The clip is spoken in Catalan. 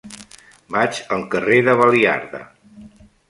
Vaig al carrer de Baliarda.